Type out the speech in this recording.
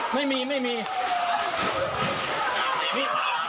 ไม่มีไม่มี